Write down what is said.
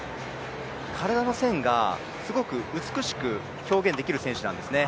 体の線がすごく美しく表現できる選手なんですね。